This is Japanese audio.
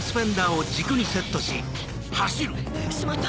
しまった！